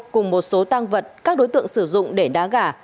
cùng một số tăng vật các đối tượng sử dụng để đá gà